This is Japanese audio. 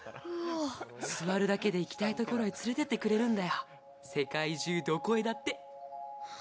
座るだけで行きたいところに連れてってくれるんだよ、世界中どこへだって。